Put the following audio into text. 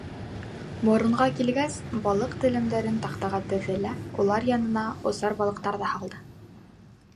Моронға килгәс, балыҡ телемдәрен таҡтаға теҙҙе лә, улар янына осар балыҡтарҙы һалды.